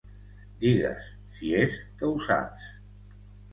Digues, si és que ho saps!